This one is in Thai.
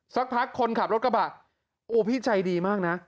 สักพักคนขับรถกระบะโอ้พี่ใจดีมากนะ